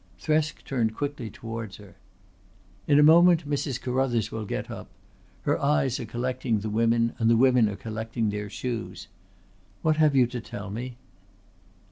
Thresk turned quickly towards her. "In a moment Mrs. Carruthers will get up. Her eyes are collecting the women and the women are collecting their shoes. What have you to tell me?"